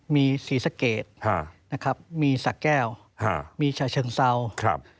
มีศรีสะเกดนะครับมีสะแก้วมีฉะเชิงเซาครับ